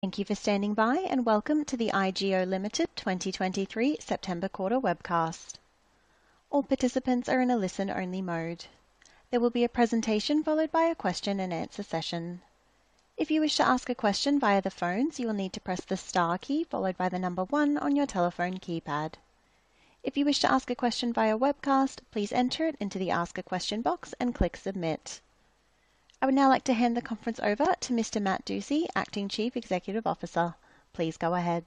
Thank you for standing by, and welcome to the IGO Limited 2023 September quarter webcast. All participants are in a listen-only mode. There will be a presentation followed by a question and answer session. If you wish to ask a question via the phones, you will need to press the star key followed by the number one on your telephone keypad. If you wish to ask a question via webcast, please enter it into the Ask a Question box and click Submit. I would now like to hand the conference over to Mr. Matt Dusci, Acting Chief Executive Officer. Please go ahead.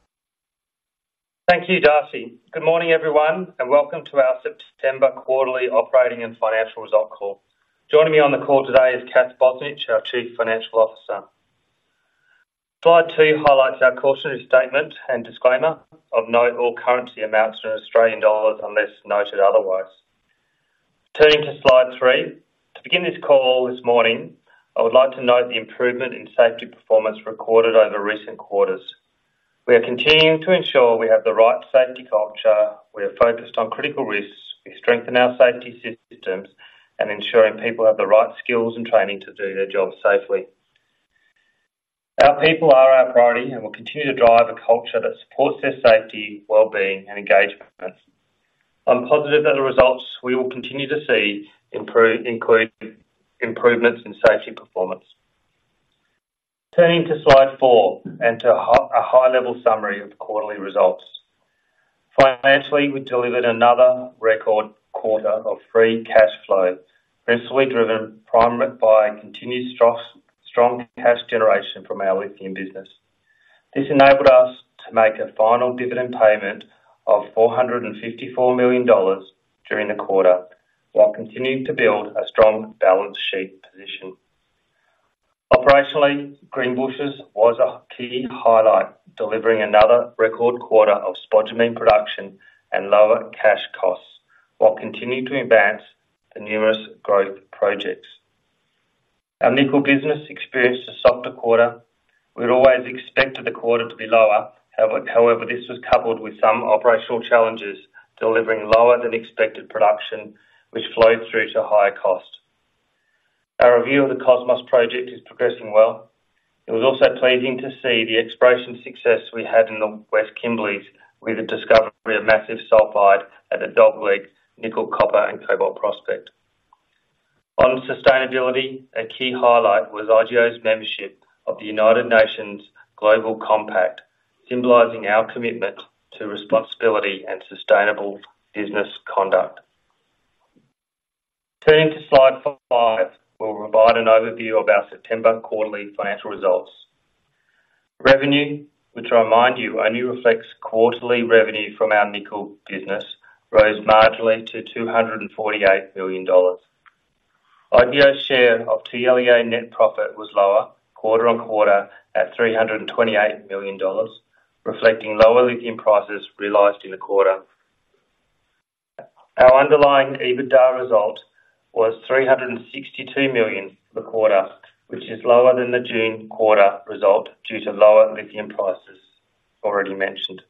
Thank you, Darcy. Good Morning, everyone, and welcome to our September quarterly operating and financial result call. Joining me on the call today is Kath Bozanic, our Chief Financial Officer. Slide 2 highlights our cautionary statement and disclaimer. Of note, all currency amounts are in Australian dollars unless noted otherwise turning to slide 3. To begin this call this morning, I would like to note the improvement in safety performance recorded over recent quarters. We are continuing to ensure we have the right safety culture. We are focused on critical risks. We strengthen our safety systems and ensuring people have the right skills and training to do their jobs safely. Our people are our priority, and we'll continue to drive a culture that supports their safety, well-being, and engagement. I'm positive that the results we will continue to see improve include improvements in safety performance. Turning to slide 4 and to a high-level summary of the quarterly results. Financially, we delivered another record quarter of free cash flow, principally driven by continued strong cash generation from our lithium business. This enabled us to make a final dividend payment of 454 million dollars during the quarter, while continuing to build a strong balance sheet position. Operationally, Greenbushes was a key highlight, delivering another record quarter of spodumene production and lower cash costs, while continuing to advance the numerous growth projects. Our nickel business experienced a softer quarter. We'd always expected the quarter to be lower. However, this was coupled with some operational challenges, delivering lower than expected production, which flowed through to higher cost. Our review of the Cosmos project is progressing well. It was also pleasing to see the exploration success we had in the West Kimberley, with the discovery of massive sulfide at the Dogleg Nickel, Copper, and Cobalt prospect. On sustainability, a key highlight was IGO's membership of the United Nations Global Compact, symbolizing our commitment to responsibility and sustainable business conduct. Turning to slide 5, we'll provide an overview of our September quarterly financial results. Revenue, which I remind you, only reflects quarterly revenue from our nickel business, rose marginally to 248 million dollars. IGO's share of TLEA net profit was lower quarter-on-quarter at 328 million dollars, reflecting lower lithium prices realized in the quarter. Our underlying EBITDA result was 362 million for the quarter, which is lower than the June quarter result due to lower lithium prices already mentioned.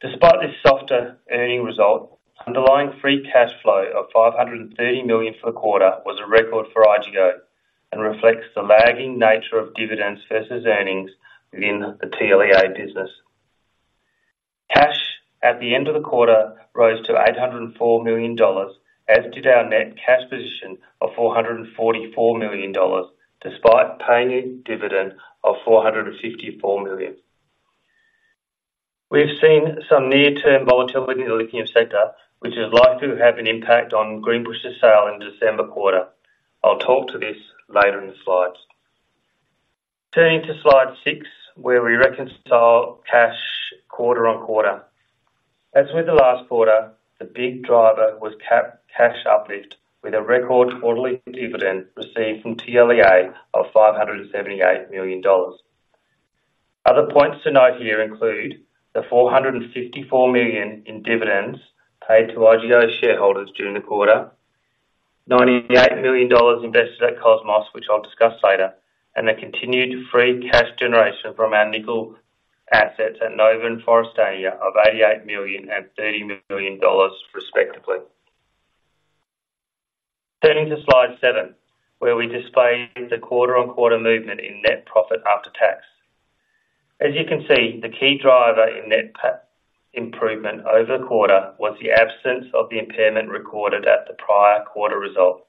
Despite this softer earnings result, underlying free cash flow of 530 million for the quarter was a record for IGO and reflects the lagging nature of dividends versus earnings within the TLEA business. Cash at the end of the quarter rose to 804 million dollars, as did our net cash position of 444 million dollars, despite paying dividend of 454 million. We've seen some near-term volatility in the lithium sector, which is likely to have an impact on Greenbushes sales in the December quarter. I'll talk to this later in the slides. Turning to slide 6, where we reconcile cash quarter on quarter. As with the last quarter, the big driver was cash uplift, with a record quarterly dividend received from TLEA of 578 million dollars. Other points to note here include the 454 million in dividends paid to IGO shareholders during the quarter, 98 million dollars invested at Cosmos, which I'll discuss later, and the continued free cash generation from our nickel assets at Nova and Forrestania of 88 million and 30 million dollars, respectively. Turning to slide 7, where we display the quarter-on-quarter movement in net profit after tax. As you can see, the key driver in Net PAT improvement over the quarter was the absence of the impairment recorded at the prior quarter result.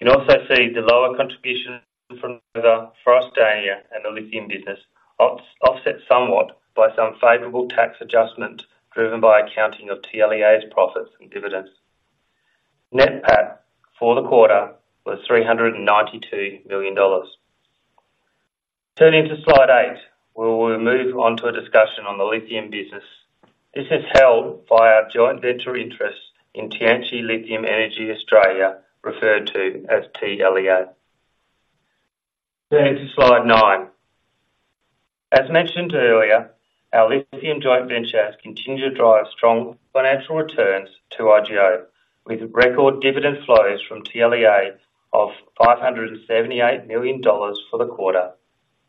You can also see the lower contribution from the Forrestania and the lithium business, offset somewhat by some favorable tax adjustment driven by accounting of TLEA's profits and dividends. Net PAT for the quarter was 392 million dollars. Turning to slide 8, where we'll move on to a discussion on the lithium business. This is held by our joint venture interest in Tianqi Lithium Energy Australia, referred to as TLEA. Turning to slide nine. As mentioned earlier, our lithium joint venture has continued to drive strong financial returns to IGO, with record dividend flows from TLEA of 578 million dollars for the quarter,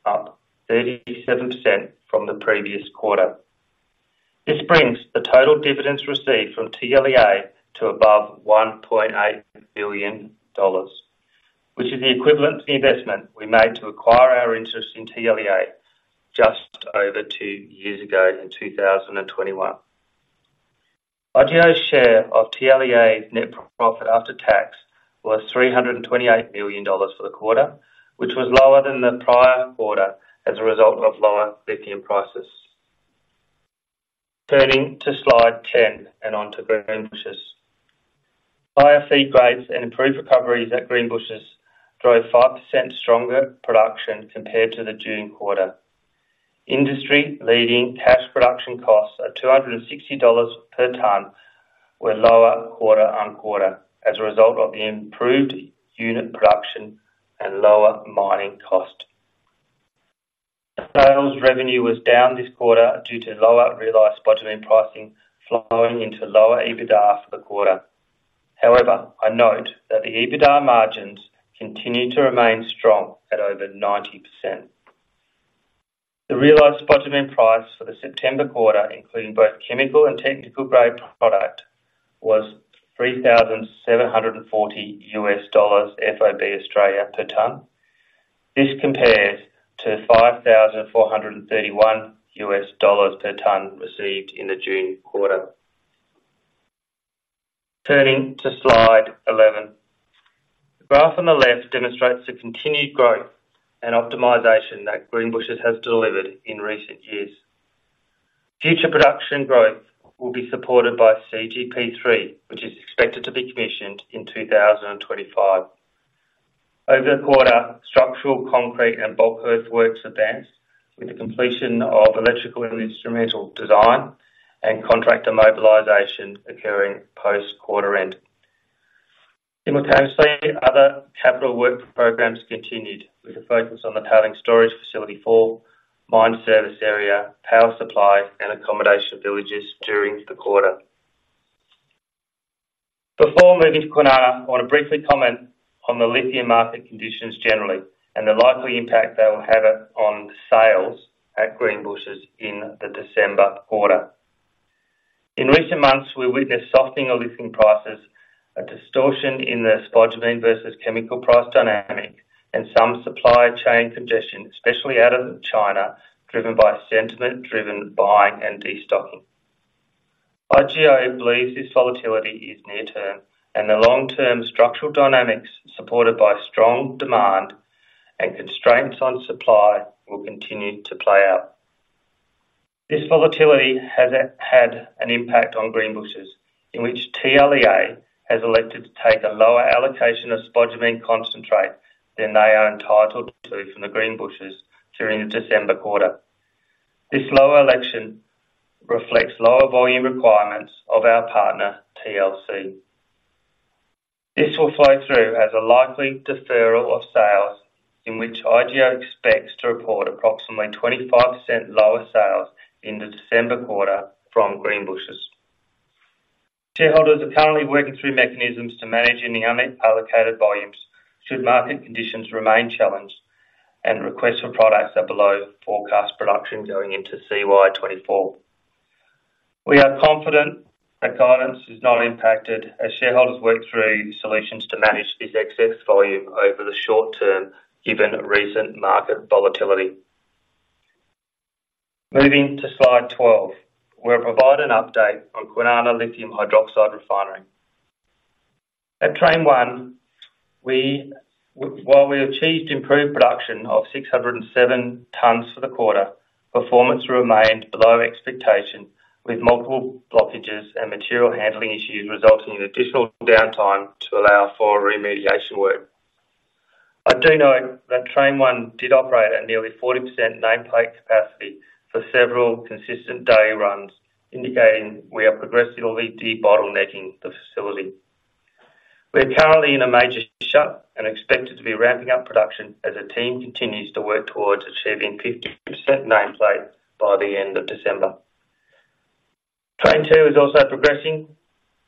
up 37% from the previous quarter. This brings the total dividends received from TLEA to above 1.8 billion dollars, which is the equivalent to the investment we made to acquire our interest in TLEA just over two years ago in 2021. IGO's share of TLEA's net profit after tax was 328 million dollars for the quarter, which was lower than the prior quarter as a result of lower lithium prices. Turning to slide 10 and onto Greenbushes higher feed grades and improved recoveries at Greenbushes drove 5% stronger production compared to the June quarter. Industry-leading cash production costs at $260 per ton were lower quarter-over-quarter as a result of the improved unit production and lower mining cost. The sales revenue was down this quarter due to lower realized spodumene pricing, flowing into lower EBITDA for the quarter. However, I note that the EBITDA margins continue to remain strong at over 90%. The realized spot average price for the September quarter, including both chemical and technical grade product, was $3,740 FOB, Australia per ton. This compares to $5,431 per ton received in the June quarter. Turning to slide 11 the graph on the left demonstrates the continued growth and optimization that Greenbushes has delivered in recent years. Future production growth will be supported by CGP3, which is expected to be commissioned in 2025. Over the quarter, structural, concrete and bulk earthworks advanced with the completion of electrical and instrumental design and contractor mobilization occurring post-quarter end. Simultaneously, other capital work programs continued, with a focus on the tailings storage facility for mine service area, power supply and accommodation villages during the quarter. Before moving to Kwinana, I want to briefly comment on the lithium market conditions generally and the likely impact they will have on sales at Greenbushes in the December quarter. In recent months, we witnessed softening of lithium prices, a distortion in the spodumene versus chemical price dynamic, and some supply chain congestion, especially out of China, driven by sentiment, driven buying and destocking. IGO believes this volatility is near-term and the long-term structural dynamics, supported by strong demand and constraints on supply, will continue to play out. This volatility has had an impact on Greenbushes, in which TLEA has elected to take a lower allocation of spodumene concentrate than they are entitled to from the Greenbushes during the December quarter. This lower election reflects lower volume requirements of our partner, TLC. This will flow through as a likely deferral of sales, in which IGO expects to report approximately 25% lower sales in the December quarter from Greenbushes. Shareholders are currently working through mechanisms to manage any unmet allocated volumes, should market conditions remain challenged and requests for products are below forecast production going into CY 2024. We are confident that guidance is not impacted as shareholders work through solutions to manage this excess volume over the short term, given recent market volatility. Moving to slide 12. We'll provide an update on Kwinana Lithium Hydroxide Refinery. At Train One, while we achieved improved production of 607 tones for the quarter, performance remained below expectation, with multiple blockages and material handling issues resulting in additional downtime to allow for remediation work. I do know that Train One did operate at nearly 40% Nameplate capacity for several consistent day runs, indicating we are progressively debottlenecking the facility. We're currently in a major shut and expected to be ramping up production as the team continues to work towards achieving 50% nameplate by the end of December. Train Two is also progressing.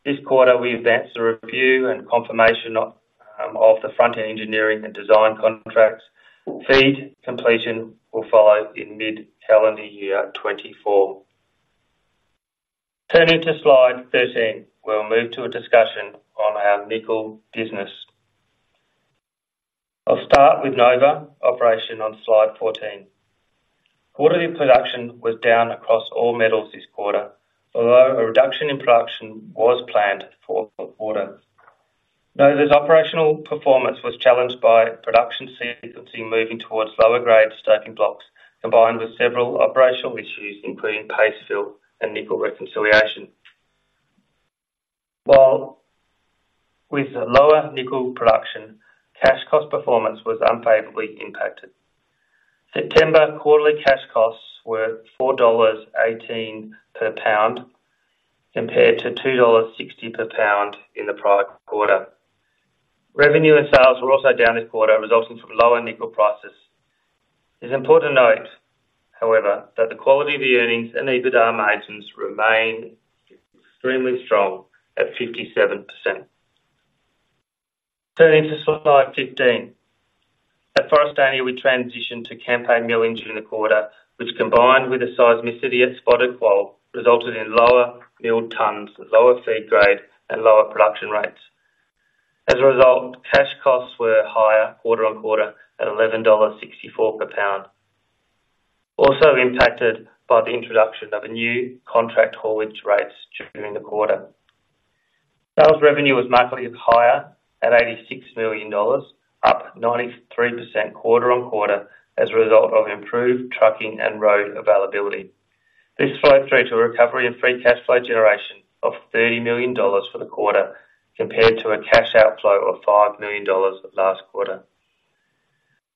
This quarter, we advanced the review and confirmation of, of the front-end engineering and design contracts. FEED completion will follow in mid-calendar year 2024. Turning to slide 13, we'll move to a discussion on our nickel business. I'll start with Nova Operation on slide 14. Quarterly production was down across all metals this quarter, although a reduction in production was planned for the quarter. Nova's operational performance was challenged by production sequencing, moving towards lower grade stopping blocks, combined with several operational issues, including paste fill and nickel reconciliation. While with lower nickel production, cash cost performance was unfavorably impacted. September quarterly cash costs were $4.18 per pound, compared to $2.60 per pound in the prior quarter. Revenue and sales were also down this quarter, resulting from lower nickel prices. It's important to note, however, that the quality of the earnings and EBITDA margins remain extremely strong at 57%.... Turning to slide 15. At Forrestania, we transitioned to campaign mill in June quarter, which, combined with the seismicity at Spotted Quoll, resulted in lower milled tons, lower feed grade, and lower production rates. As a result, cash costs were higher quarter-on-quarter at $11.64 per pound. Also impacted by the introduction of a new contract haulage rates during the quarter. Sales revenue was markedly higher at AUD 86 million, up 93% quarter-on-quarter as a result of improved trucking and road availability. This flowed through to a recovery of free cash flow generation of 30 million dollars for the quarter, compared to a cash outflow of 5 million dollars last quarter.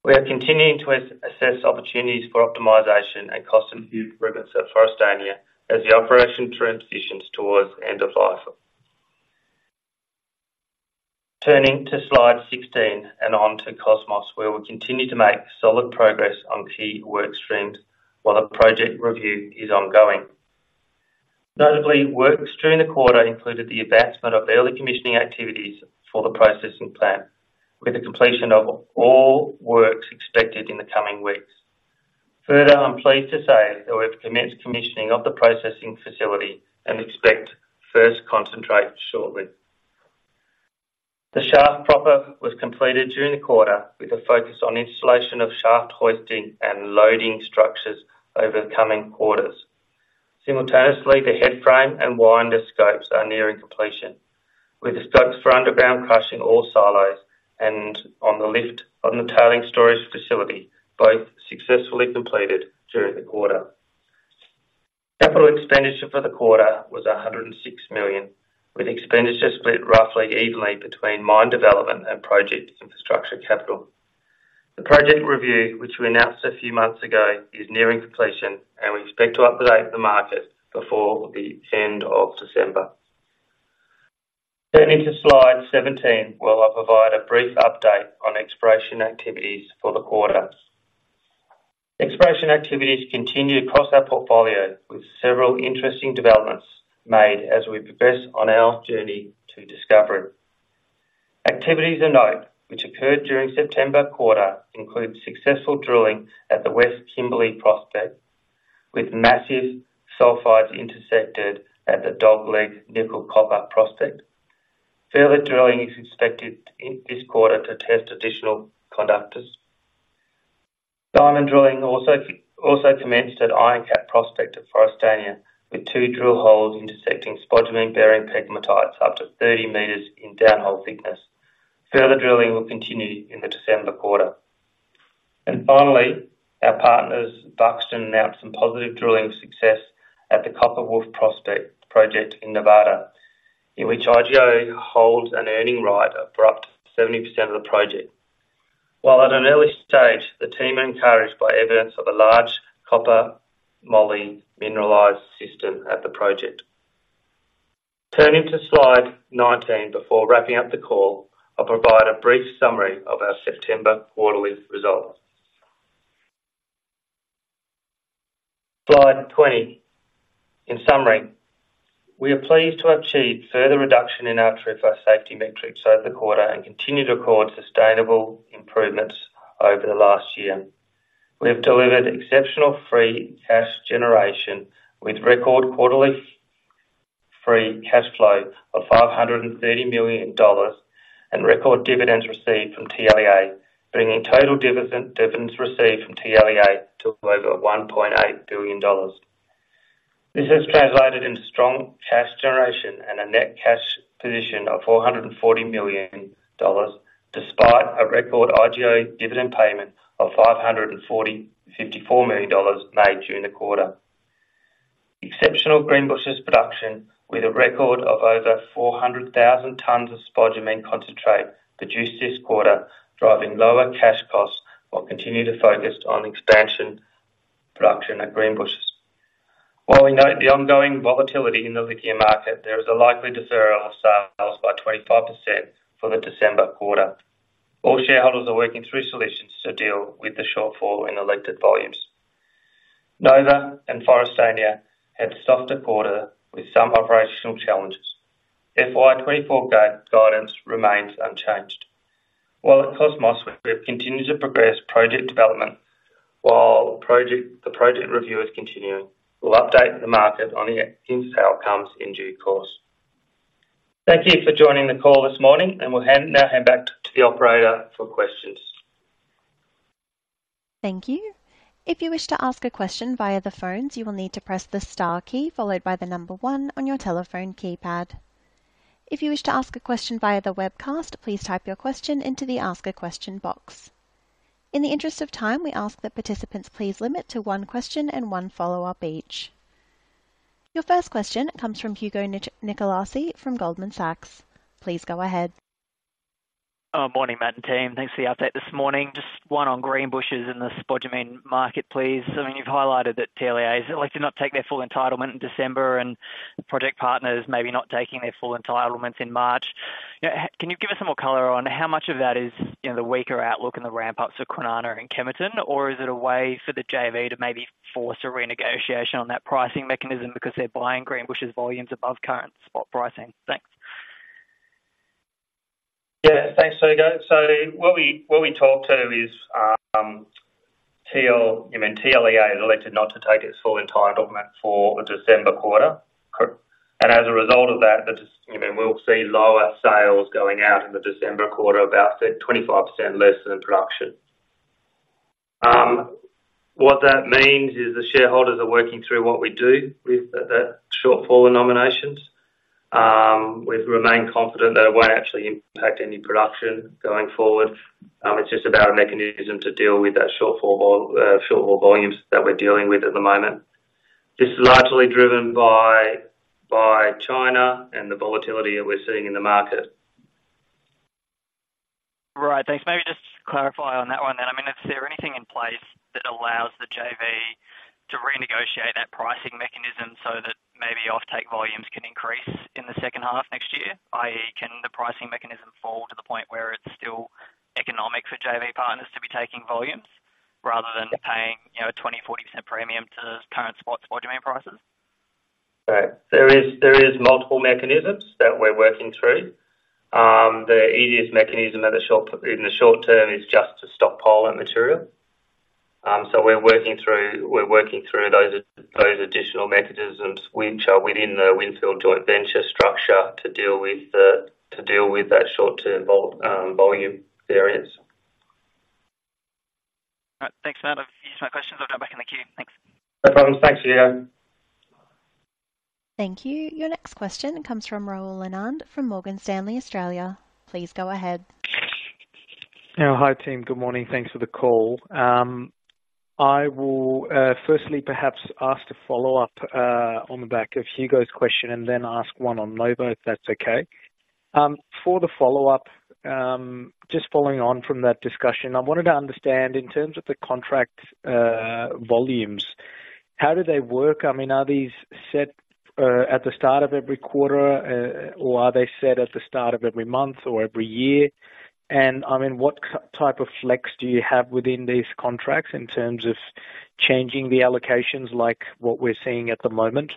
We are continuing to assess opportunities for optimization and cost improvements at Forrestania as the operation transitions towards end of life. Turning to slide 16 and on to Cosmos, where we continue to make solid progress on key work streams while the project review is ongoing. Notably, works during the quarter included the advancement of early commissioning activities for the processing plant, with the completion of all works expected in the coming weeks. Further, I'm pleased to say that we've commenced commissioning of the processing facility and expect first concentrate shortly. The shaft proper was completed during the quarter, with a focus on installation of shaft hoisting and loading structures over the coming quarters. Simultaneously, the headframe and winder scopes are nearing completion, with the scopes for underground crushing ore silos and on the lift on the tailings storage facility, both successfully completed during the quarter. Capital expenditure for the quarter was 106 million, with expenditure split roughly evenly between mine development and project infrastructure capital. The project review, which we announced a few months ago, is nearing completion, and we expect to update the market before the end of December. Turning to slide 17, where I'll provide a brief update on exploration activities for the quarter. Exploration activities continued across our portfolio, with several interesting developments made as we progress on our journey to discovery. Activities of note, which occurred during September quarter, include successful drilling at the West Kimberley Prospect, with massive sulfides intersected at the Dogleg nickel copper prospect. Further drilling is expected in this quarter to test additional conductors. Diamond drilling also commenced at Iron Cap Prospect at Forrestania, with two drill holes intersecting spodumene-bearing pegmatites up to 30 meters in downhole thickness. Further drilling will continue in the December quarter. Finally, our partners, Buxton, announced some positive drilling success at the Copper Wolf Project in Nevada, in which IGO holds an earning right for up to 70% of the project. While at an early stage, the team are encouraged by evidence of a large copper moly mineralized system at the project. Turning to slide 19, before wrapping up the call, I'll provide a brief summary of our September quarterly results. Slide 20 in summary, we are pleased to have achieved further reduction in our TRIFR safety metrics over the quarter and continue to record sustainable improvements over the last year. We have delivered exceptional free cash generation, with record quarterly free cash flow of 530 million dollars and record dividends received from TLEA, bringing total dividend, dividends received from TLEA to over 1.8 billion dollars. This has translated into strong cash generation and a net cash position of 440 million dollars, despite a record IGO dividend payment of 554 million dollars made during the quarter. Exceptional Greenbushes production, with a record of over 400,000 tons of spodumene concentrate produced this quarter, driving lower cash costs while continuing to focus on expansion production at Greenbushes. While we note the ongoing volatility in the lithium market, there is a likely deferral of sales by 25% for the December quarter. All shareholders are working through solutions to deal with the shortfall in elected volumes. Nova and Forrestania had a softer quarter with some operational challenges. FY 2024 guidance remains unchanged. While at Cosmos, we have continued to progress project development. The project review is continuing, we'll update the market on its outcomes in due course. Thank you for joining the call this morning, and we'll now hand back to the operator for questions. Thank you. If you wish to ask a question via the phones, you will need to press the star key, followed by the number one on your telephone keypad. If you wish to ask a question via the webcast, please type your question into the Ask a Question box. In the interest of time, we ask that participants please limit to one question and one follow-up each. Your first question comes from Hugo Nicolaci from Goldman Sachs. Please go ahead. Morning, Matt and team. Thanks for the update this morning. Just one on Greenbushes in the spodumene market, please. I mean, you've highlighted that TLEA is likely to not take their full entitlement in December and project partners maybe not taking their full entitlements in March. You know, can you give us some more color on how much of that is, you know, the weaker outlook and the ramp-ups of Kwinana and Kemerton? Or is it a way for the JV to maybe force a renegotiation on that pricing mechanism because they're buying Greenbushes volumes above current spot pricing? Thanks. Yeah, thanks, Hugo. So what we, what we talked to is, TL, I mean, TLEA has elected not to take its full entitlement for the December quarter. And as a result of that, the December, I mean, we'll see lower sales going out in the December quarter, about 25% less than production. What that means is the shareholders are working through what we do with the, the shortfall in nominations. We've remained confident that it won't actually impact any production going forward. It's just about a mechanism to deal with that shortfall volumes that we're dealing with at the moment. This is largely driven by China and the volatility that we're seeing in the market. Right. Thanks. Maybe just to clarify on that one, then. I mean, is there anything in place that allows the JV to renegotiate that pricing mechanism so that maybe offtake volumes can increase in the H2 next year? I.e., can the pricing mechanism fall to the point where it's still economic for JV partners to be taking volumes rather than paying, you know, a 20%-40% premium to current spot spodumene prices? Right. There is multiple mechanisms that we're working through. The easiest mechanism in the short term is just to stockpile that material. So we're working through those additional mechanisms which are within the Windfield joint venture structure to deal with that short-term volume variance. All right. Thanks for that. I've used my questions. I'll go back in the queue. Thanks. No problems. Thanks, Hugo. Thank you. Your next question comes from Rahul Anand from Morgan Stanley, Australia. Please go ahead. Yeah. Hi, team. Good morning. Thanks for the call. I will firstly, perhaps ask to follow up on the back of Hugo's question and then ask one on Nova, if that's okay. For the follow-up, just following on from that discussion, I wanted to understand, in terms of the contract volumes, how do they work? I mean, are these set at the start of every quarter, or are they set at the start of every month or every year? And I mean, what kind of flex do you have within these contracts in terms of changing the allocations like what we're seeing at the moment?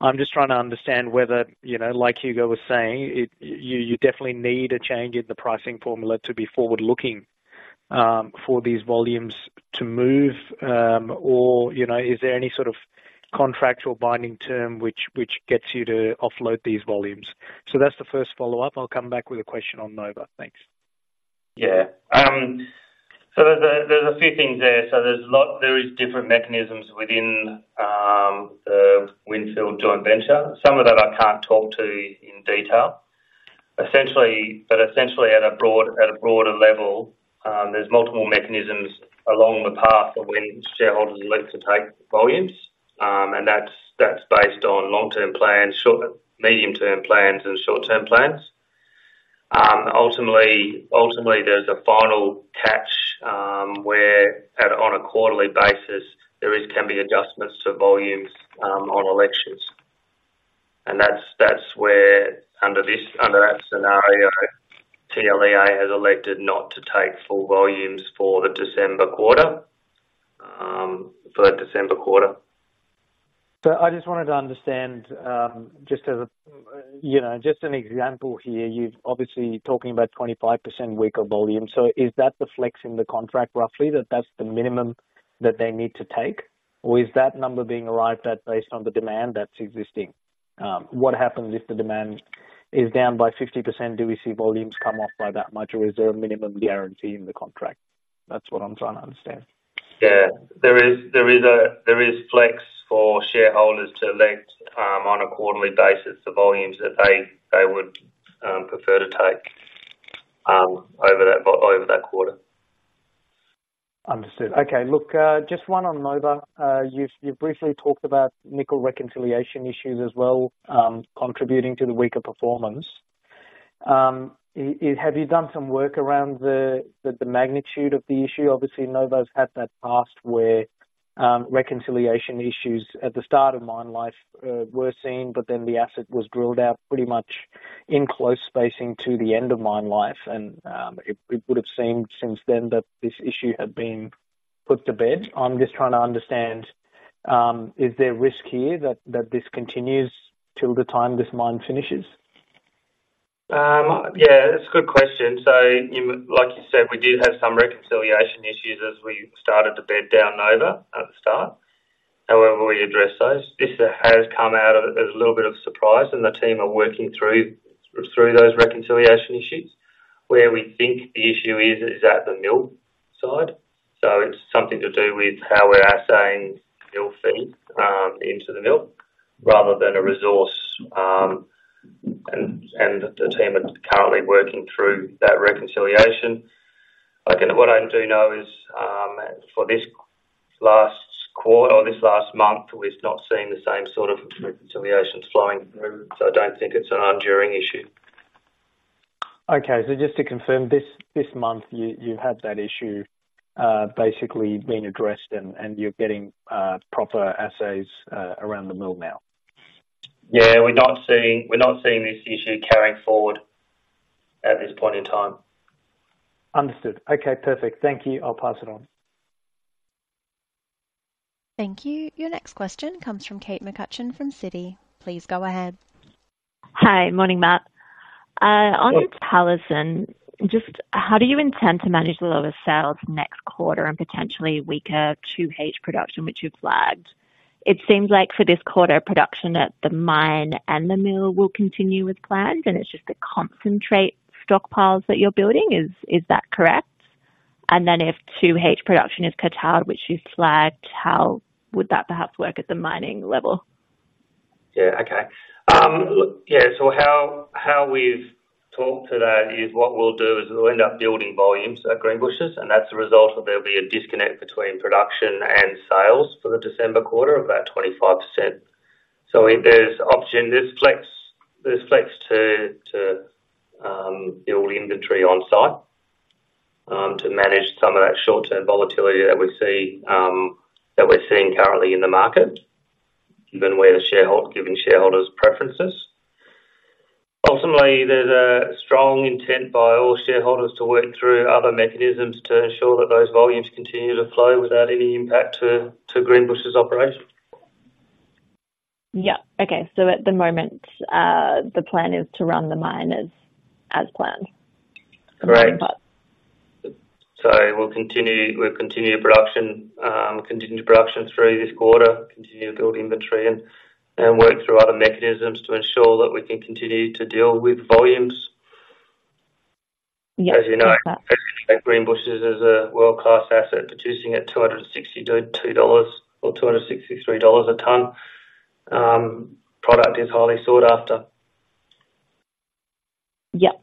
I'm just trying to understand whether, you know, like Hugo was saying, it, you, you definitely need a change in the pricing formula to be forward-looking for these volumes to move. you know, is there any sort of contractual binding term which gets you to offload these volumes? So that's the first follow-up. I'll come back with a question on Nova. Thanks. Yeah. There's a few things there. There's different mechanisms within the Windfield joint venture. Some of that I can't talk to in detail. Essentially, at a broader level, there's multiple mechanisms along the path of when shareholders elect to take volumes. That's based on long-term plans, medium-term plans, and short-term plans. Ultimately, there's a final catch where, on a quarterly basis, there can be adjustments to volumes on elections. That's where, under that scenario, TLEA has elected not to take full volumes for the December quarter, for the December quarter. So I just wanted to understand, just as a, you know, just an example here, you've obviously talking about 25% weaker volume. So is that the flex in the contract, roughly, that that's the minimum that they need to take? Or is that number being arrived at based on the demand that's existing? What happens if the demand is down by 50%? Do we see volumes come off by that much, or is there a minimum guarantee in the contract? That's what I'm trying to understand. Yeah. There is a flex for shareholders to elect, on a quarterly basis, the volumes that they would prefer to take over that quarter. Understood. Okay, look, just one on Nova. You've briefly talked about nickel reconciliation issues as well, contributing to the weaker performance. Have you done some work around the magnitude of the issue? Obviously, Nova's had that past where reconciliation issues at the start of mine life were seen, but then the asset was drilled out pretty much in close spacing to the end of mine life. And it would have seemed since then that this issue had been put to bed. I'm just trying to understand, is there risk here that this continues till the time this mine finishes? Yeah, that's a good question. Like you said, we did have some reconciliation issues as we started to bear down Nova at the start. However, we addressed those. This has come out as a little bit of surprise, and the team are working through those reconciliation issues. Where we think the issue is, is at the mill side. It's something to do with how we're assaying mill feed into the mill rather than a resource, and the team are currently working through that reconciliation. Again, what I do know is, for this last quarter or this last month, we've not seen the same sort of reconciliations flowing through, so I don't think it's an enduring issue. Okay. So just to confirm, this month, you had that issue basically being addressed and you're getting proper assays around the mill now? Yeah, we're not seeing, we're not seeing this issue carrying forward at this point in time. Understood. Okay, perfect. Thank you. I'll pass it on. Thank you. Your next question comes from Kate McCutcheon from Citi. Please go ahead. Hi. Morning, Matt. On Talison, just how do you intend to manage the lower sales next quarter and potentially weaker 2H production, which you've flagged? It seems like for this quarter, production at the mine and the mill will continue as planned, and it's just the concentrate stockpiles that you're building. Is that correct? And then if 2H production is curtailed, which you've flagged, how would that perhaps work at the mining level? Yeah, okay. Look, yeah, so how we've talked to that is what we'll do is we'll end up building volumes at Greenbushes, and that's a result of there'll be a disconnect between production and sales for the December quarter of about 25%. So if there's option, there's flex to build inventory on site to manage some of that short-term volatility that we see that we're seeing currently in the market, then we're the shareholder, giving shareholders preferences. Ultimately, there's a strong intent by all shareholders to work through other mechanisms to ensure that those volumes continue to flow without any impact to Greenbushes operations. Yeah. Okay. So at the moment, the plan is to run the mine as, as planned? Correct. So we'll continue, we'll continue production, continue production through this quarter, continue to build inventory and, and work through other mechanisms to ensure that we can continue to deal with volumes. Yeah. As you know, Greenbushes is a world-class asset, producing at $262 or $263 a ton. Product is highly sought after. Yep.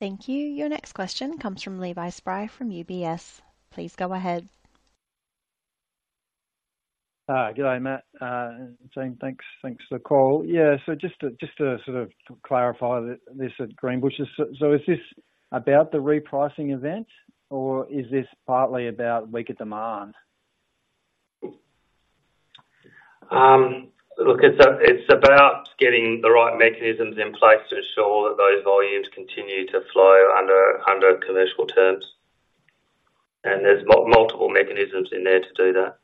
Thank you. Your next question comes from Levi Spry from UBS. Please go ahead. Good day, Matt, and team. Thanks, thanks for the call. Yeah, so just to sort of clarify this at Greenbushes. So, is this about the repricing event, or is this partly about weaker demand? Look, it's about getting the right mechanisms in place to ensure that those volumes continue to flow under commercial terms. And there's multiple mechanisms in there to do that.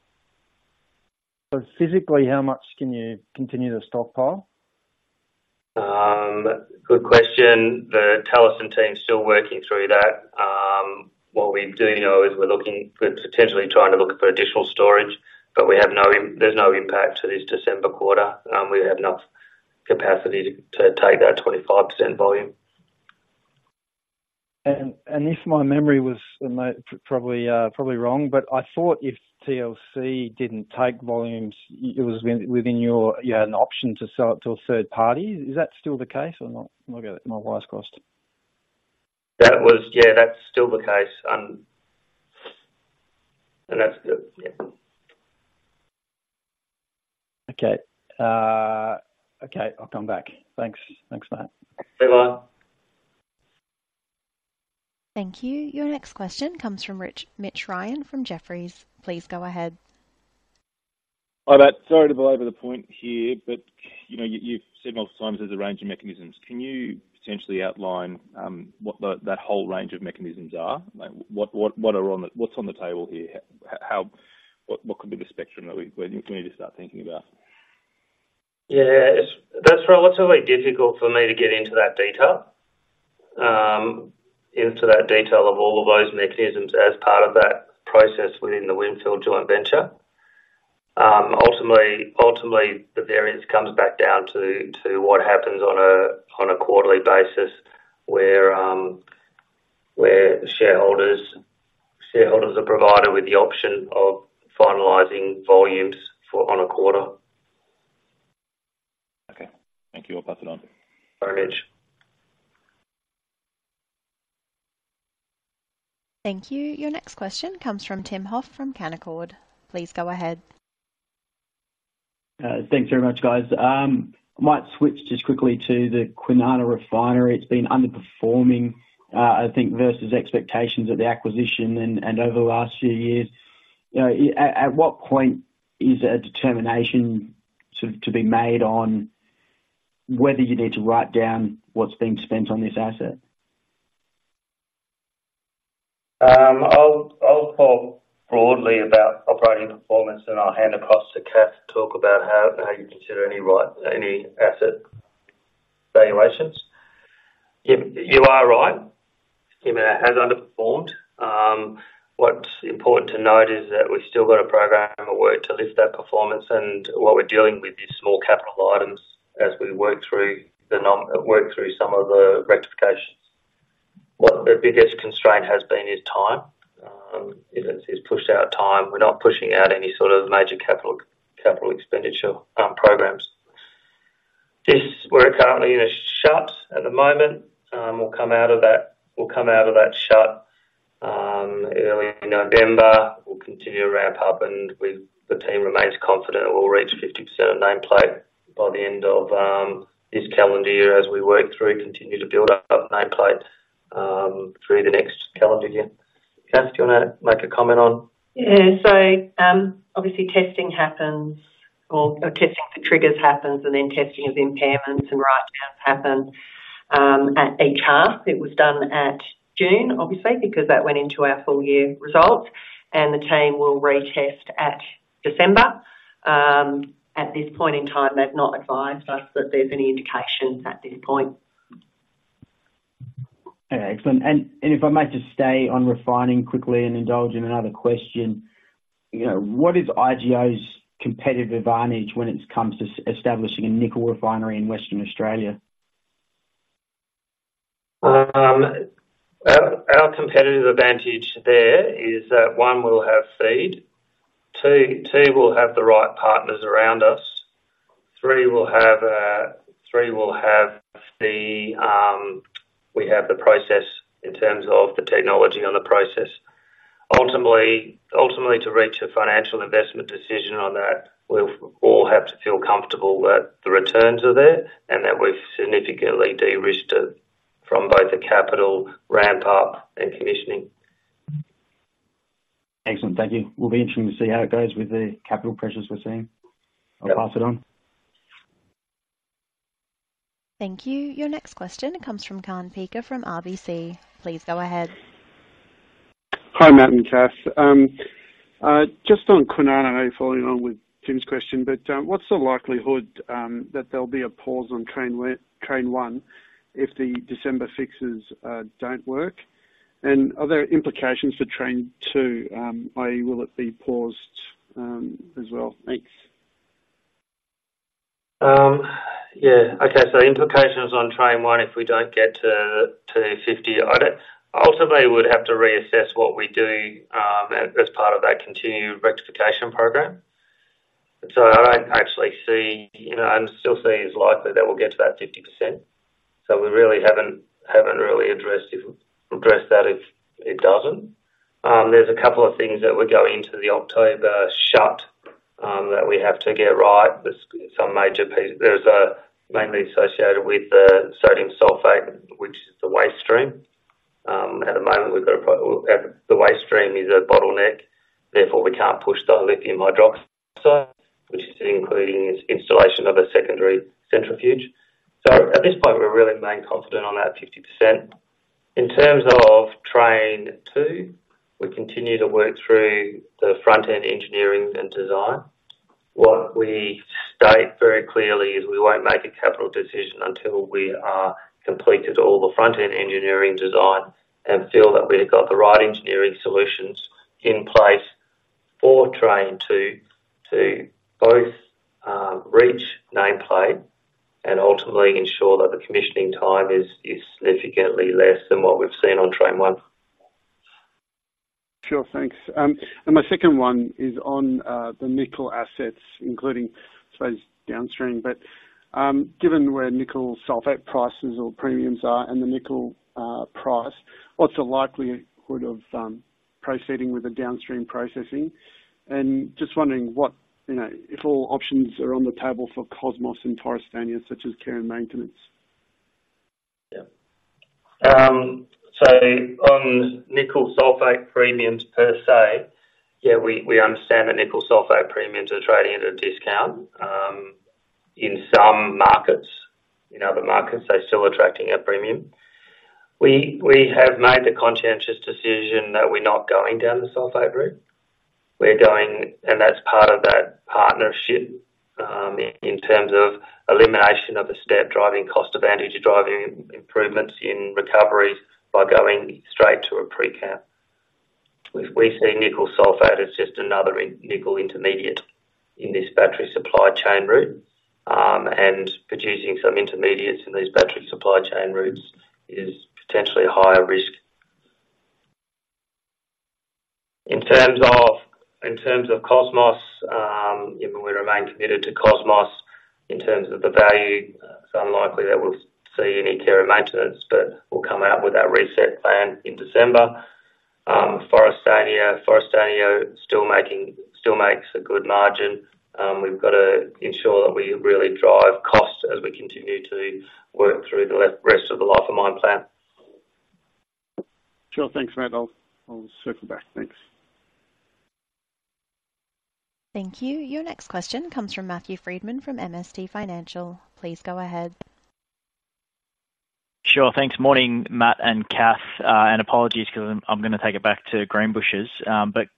Physically, how much can you continue to stockpile? Good question. The Talison team is still working through that. What we do know is we're looking... We're potentially trying to look for additional storage, but we have no—there's no impact to this December quarter. We have enough capacity to take that 25% volume. And if my memory was right, probably wrong, but I thought if TLC didn't take volumes, it was within your... You had an option to sell it to a third party. Is that still the case or not? I'll get it. My advice costs. That was, yeah, that's still the case, and that's good. Yeah. Okay. Okay, I'll come back. Thanks. Thanks, Matt. Bye-bye. Thank you. Your next question comes from Mitch Ryan from Jefferies. Please go ahead. Hi, Matt. Sorry to belabour the point here, but, you know, you've said multiple times there's a range of mechanisms. Can you potentially outline what that whole range of mechanisms are? Like, what are on the table here? How, what could be the spectrum that we need to start thinking about? Yeah, it's... That's relatively difficult for me to get into that detail, into that detail of all of those mechanisms as part of that process within the Windfield joint venture. Ultimately, ultimately, the variance comes back down to, to what happens on a, on a quarterly basis, where, where shareholders, shareholders are provided with the option of finalizing volumes for on a quarter. Okay. Thank you. I'll pass it on. All right, Mitch. Thank you. Your next question comes from Tim Hoff from Canaccord. Please go ahead. Thanks very much, guys. I might switch just quickly to the Kwinana refinery. It's been underperforming, I think versus expectations of the acquisition and over the last few years. You know, at what point is a determination to be made on whether you need to write down what's been spent on this asset? I'll talk broadly about operating performance, and I'll hand across to Kath to talk about how you consider any, right, any asset valuations. You are right. I mean, it has underperformed. What's important to note is that we've still got a program of work to lift that performance, and what we're dealing with is small capital items as we work through some of the rectifications. What the biggest constraint has been is time. It has; it's pushed out time. We're not pushing out any sort of major capital expenditure programs. We're currently in a shut at the moment. We'll come out of that shut early in November. We'll continue to ramp up, and with the team remains confident we'll reach 50% of nameplate by the end of this calendar year as we work through, continue to build up nameplate through the next calendar year. Kath, do you want to make a comment on? Yeah, so, obviously testing happens or testing for triggers happens, and then testing of impairments and rights happens at each half. It was done at June, obviously, because that went into our full year results, and the team will retest at December. At this point in time, they've not advised us that there's any indications at this point. Okay, excellent. And if I might just stay on refining quickly and indulge in another question. You know, what is IGO's competitive advantage when it comes to establishing a nickel refinery in Western Australia? Our competitive advantage there is that, one, we'll have feed. Two, we'll have the right partners around us. Three, we have the process in terms of the technology on the process. Ultimately, to reach a financial investment decision on that, we'll all have to feel comfortable that the returns are there and that we've significantly de-risked it from both the capital ramp up and commissioning. Excellent. Thank you. Will be interesting to see how it goes with the capital pressures we're seeing. Yep. I'll pass it on. Thank you. Your next question comes from Kaan Peker from RBC. Please go ahead. Hi, Matt and Kath. Just on Kwinana, following on with Tim's question, but, what's the likelihood that there'll be a pause on train one if the December fixes don't work? And are there implications for train two? i.e., will it be paused as well? Thanks. Yeah. Okay, implications on train one if we don't get to 50, I'd ultimately would have to reassess what we're doing, as part of that continued rectification program. I don't actually see... You know, I'm still seeing it's likely that we'll get to that 50%, so we really haven't, haven't really addressed that if it doesn't. There's a couple of things that will go into the October shut that we have to get right. Some major piece, there's mainly associated with the sodium sulfate, which is the waste stream. At the moment, we've got a pro- the waste stream is a bottleneck, therefore we can't push the lithium hydroxide, which is including its installation of a secondary centrifuge. At this point, we're really remaining confident on that 50%. In terms of train two, we continue to work through the front-end engineering and design. What we state very clearly is we won't make a capital decision until we are completed all the front-end engineering design and feel that we've got the right engineering solutions in place for train two to both, reach nameplate and ultimately ensure that the commissioning time is significantly less than what we've seen on train one. Sure, thanks. And my second one is on the nickel assets, including, I suppose, downstream. But, given where nickel sulphate prices or premiums are and the nickel price, what's the likelihood of proceeding with the downstream processing? And just wondering what, you know, if all options are on the table for Cosmos and Forrestania, such as care and maintenance. Yeah. So on nickel sulphate premiums per se, yeah, we understand that nickel sulphate premiums are trading at a discount in some markets. In other markets, they're still attracting a premium. We have made the conscientious decision that we're not going down the sulphate route. We're going—and that's part of that partnership in terms of elimination of the step, driving cost advantage, or driving improvements in recoveries by going straight to a pCAM. We see nickel sulphate as just another nickel intermediate in this battery supply chain route, and producing some intermediates in these battery supply chain routes is potentially a higher risk. In terms of Cosmos, you know, we remain committed to Cosmos. In terms of the value, it's unlikely that we'll see any care and maintenance, but we'll come out with our reset plan in December. Forrestania still makes a good margin. We've got to ensure that we really drive costs as we continue to work through the rest of the life of mine plan. Sure. Thanks, Matt. I'll, I'll circle back. Thanks. Thank you. Your next question comes from Matthew Frydman from MST Financial. Please go ahead. Sure. Thanks. Morning, Matt and Cass. And apologies, because I'm gonna take it back to Greenbushes. But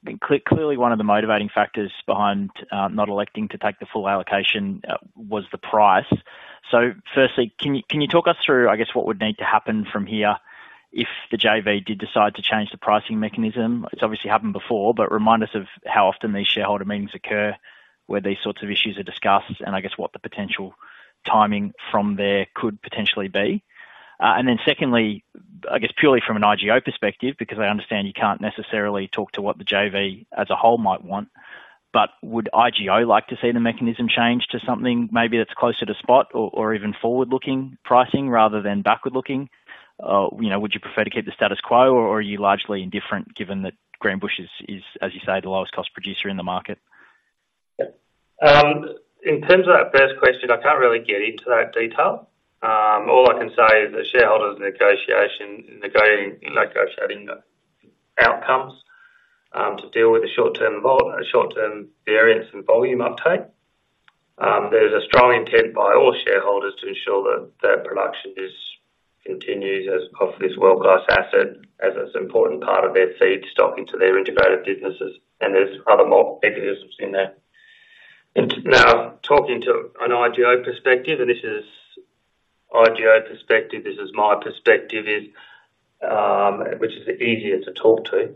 clearly, one of the motivating factors behind not electing to take the full allocation was the price. So firstly, can you talk us through, I guess, what would need to happen from here if the JV did decide to change the pricing mechanism? It's obviously happened before, but remind us of how often these shareholder meetings occur, where these sorts of issues are discussed, and I guess what the potential timing from there could potentially be. and then secondly, I guess purely from an IGO perspective, because I understand you can't necessarily talk to what the JV as a whole might want, but would IGO like to see the mechanism change to something maybe that's closer to spot or, or even forward-looking pricing rather than backward-looking? You know, would you prefer to keep the status quo, or, or are you largely indifferent, given that Greenbushes is, as you say, the lowest cost producer in the market? In terms of that first question, I can't really get into that detail. All I can say is the shareholders negotiation, negotiating, negotiating the outcomes, to deal with the short-term variance and volume uptake. There's a strong intent by all shareholders to ensure that their production is, continues as of this world-class asset, as it's an important part of their feedstock into their integrated businesses. And there's other mechanisms in there. Now, talking to an IGO perspective, and this is IGO perspective, this is my perspective is, which is easier to talk to.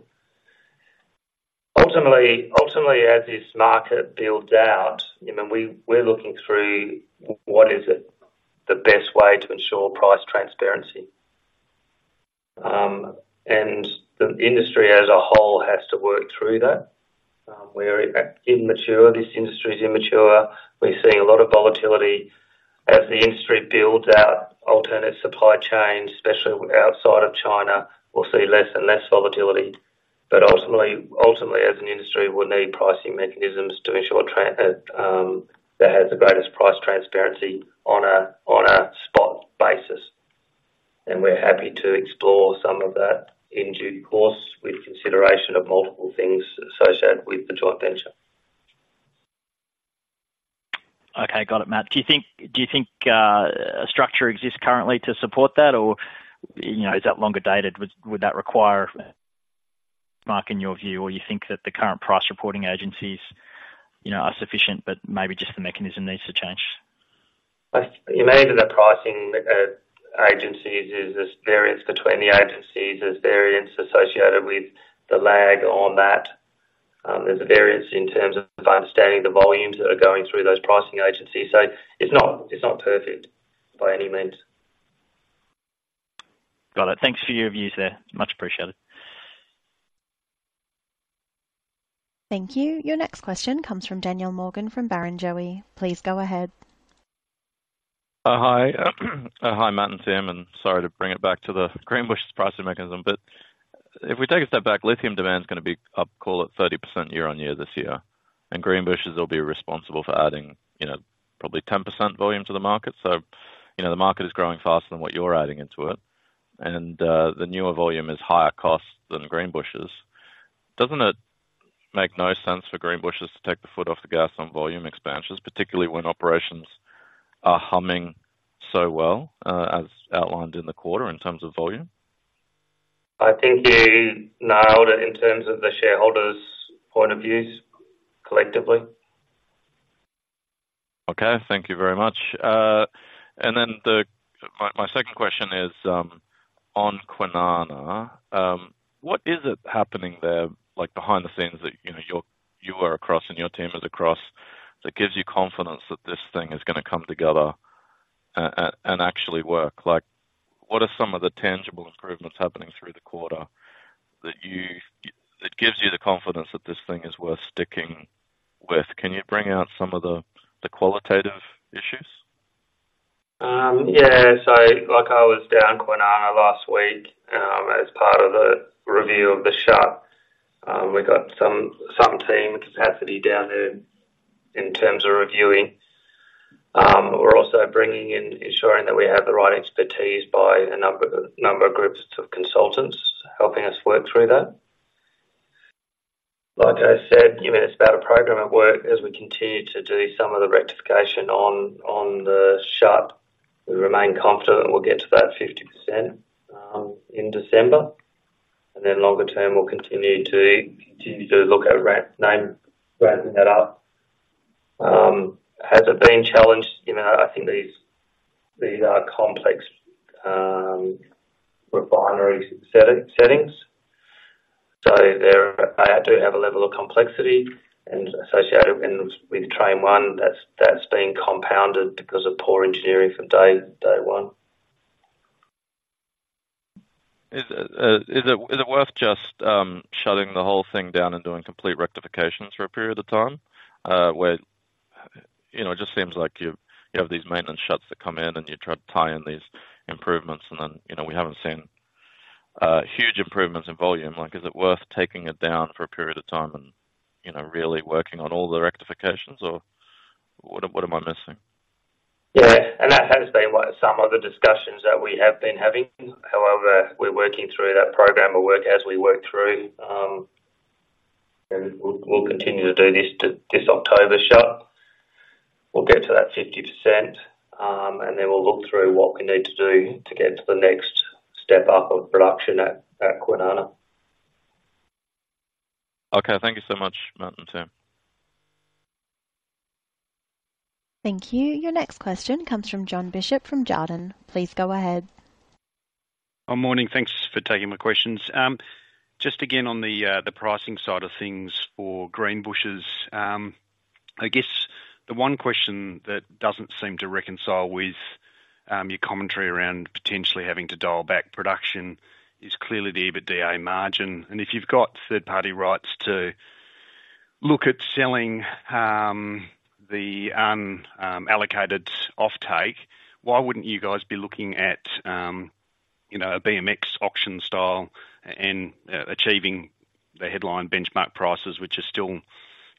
Ultimately, ultimately, as this market builds out, you know, we, we're looking through what is it the best way to ensure price transparency? And the industry as a whole has to work through that. We're immature this industry is immature. We're seeing a lot of volatility. As the industry builds out alternate supply chains, especially outside of China, we'll see less and less volatility. But ultimately, ultimately, as an industry, we'll need pricing mechanisms to ensure tran, that has the greatest price transparency on a, on a spot basis. And we're happy to explore some of that in due course, with consideration of multiple things associated with the joint venture. Okay. Got it, Matt. Do you think, do you think a structure exists currently to support that? Or, you know, is that longer dated? Would, would that require, Matt, in your view, or you think that the current price reporting agencies, you know, are sufficient, but maybe just the mechanism needs to change? You may, the pricing, agencies is there's variance between the agencies. There's variance associated with the lag on that. There's a variance in terms of understanding the volumes that are going through those pricing agencies. So it's not, it's not perfect by any means. Got it. Thanks for your views there. Much appreciated. Thank you. Your next question comes from Daniel Morgan, from Barrenjoey. Please go ahead. Hi, Matt and Tim, and sorry to bring it back to the Greenbushes pricing mechanism, but if we take a step back, lithium demand is gonna be up, call it 30% year-on-year this year, and Greenbushes will be responsible for adding, you know, probably 10% volume to the market. So, you know, the market is growing faster than what you're adding into it. And, the newer volume is higher cost than Greenbushes. Doesn't it make no sense for Greenbushes to take the foot off the gas on volume expansions, particularly when operations are humming so well, as outlined in the quarter in terms of volume? I think you nailed it in terms of the shareholders' point of views collectively. Okay, thank you very much. And then my second question is on Kwinana. What is it happening there, like behind the scenes that, you know, you're across and your team is across, that gives you confidence that this thing is gonna come together and actually work? Like, what are some of the qualitative issues? Yes. So like I was down Kwinana last week, as part of the review of the shut. We got some team capacity down there in terms of reviewing. We're also bringing in ensuring that we have the right expertise by a number of groups of consultants helping us work through that. Like I said, you know, it's about a program of work as we continue to do some of the rectification on the shut. We remain confident we'll get to that 50% in December, and then longer term, we'll continue to look at ramping that up. Has it been challenged? You know, I think these are complex refinery settings. There they do have a level of complexity associated with train one. That's being compounded because of poor engineering from day one. Is it worth just shutting the whole thing down and doing complete rectifications for a period of time? Where, you know, it just seems like you have these maintenance shuts that come in, and you try to tie in these improvements and then, you know, we haven't seen huge improvements in volume. Like, is it worth taking it down for a period of time and, you know, really working on all the rectifications or what am I missing? Yeah, and that has been one of some of the discussions that we have been having. However, we're working through that program of work as we work through, and we'll continue to do this to this October shut. We'll get to that 50%, and then we'll look through what we need to do to get to the next step up of production at Kwinana. Okay. Thank you so much, Matt and Kath. Thank you. Your next question comes from Jon Bishop, from Jarden. Please go ahead. Good morning. Thanks for taking my questions. Just again on the pricing side of things for Greenbushes. I guess the one question that doesn't seem to reconcile with your commentary around potentially having to dial back production is clearly the EBITDA margin. And if you've got third-party rights to look at selling the unallocated offtake, why wouldn't you guys be looking at you know, a BMX auction style and achieving the headline benchmark prices, which are still,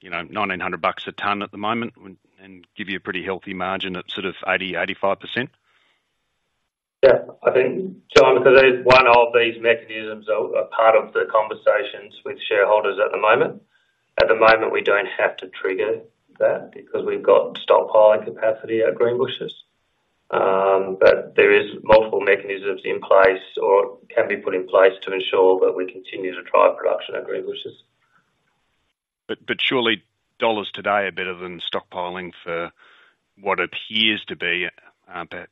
you know, $1,900 a ton at the moment and give you a pretty healthy margin at sort of 80%-85%? Yeah, I think, John, because one of these mechanisms are part of the conversations with shareholders at the moment. At the moment, we don't have to trigger that because we've got stockpiling capacity at Greenbushes. But there is multiple mechanisms in place or can be put in place to ensure that we continue to drive production at Greenbushes. But surely dollars today are better than stockpiling for what appears to be